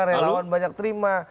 relawan banyak terima